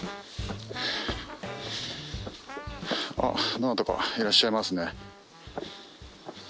どなたかいらっしゃいますね。